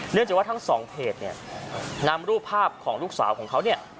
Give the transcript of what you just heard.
จากว่าทั้งสองเพจเนี่ยนำรูปภาพของลูกสาวของเขาเนี่ย